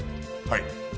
はい。